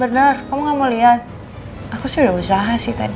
enggak mau makan udah nggak sayaee picky